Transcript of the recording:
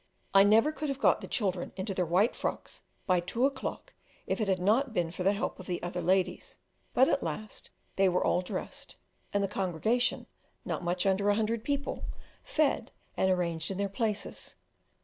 I never could have got the children into their white frocks by two o'clock if it had not been for the help of the other ladies; but at last they were all dressed, and the congregation not much under a hundred people fed, and arranged in their places.